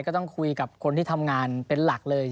ก็ต้องคุยกับคนที่ทำงานเป็นหลักเลย